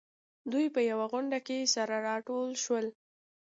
دوی په يوه غونډه کې سره راټول شول.